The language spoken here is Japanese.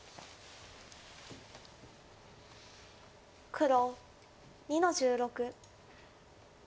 黒２の十六。